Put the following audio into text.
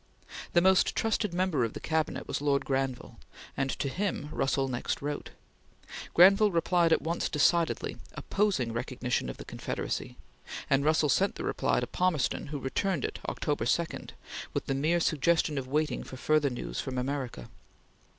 The most trusted member of the Cabinet was Lord Granville, and to him Russell next wrote. Granville replied at once decidedly opposing recognition of the Confederacy, and Russell sent the reply to Palmerston, who returned it October 2, with the mere suggestion of waiting for further news from America.